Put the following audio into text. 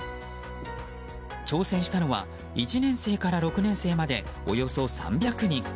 挑戦したのは、１年生から６年生までおよそ３００人。